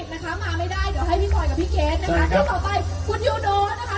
ซึ่งคุณหมากแล้วว่าคุณณเดชน์ก็จะเปลี่ยนเสื้อบริเวณนี้เหมือนกัน